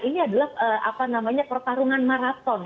ini adalah apa namanya pertarungan maraton